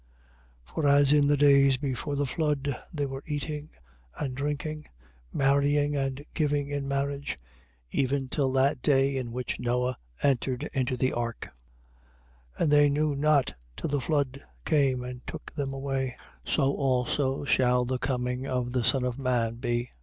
24:38. For, as in the days before the flood they were eating and drinking, marrying and giving in marriage, even till that day in which Noe entered into the ark: 24:39. And they knew not till the flood came and took them all away: so also shall the coming of the Son of man be.